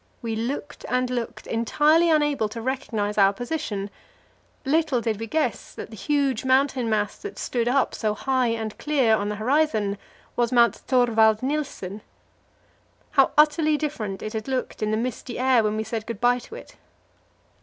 We looked and looked, entirely unable to recognize our position; little did we guess that the huge mountain mass that stood up so high and clear on the horizon was Mount Thorvald Nilsen. How utterly different it had looked in the misty air when we said good bye to it.